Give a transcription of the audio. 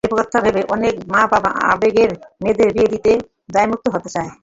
নিরাপত্তার কথা ভেবে অনেক মা-বাবা আগেভাগে মেয়েদের বিয়ে দিয়ে দায়মুক্ত হতে চান।